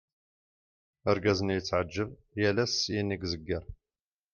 Argaz-nni yetɛeğğeb, yal ass syin i zegger.